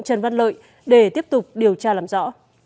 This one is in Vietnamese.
trần văn lợi để tiếp tục điều tra làm rõ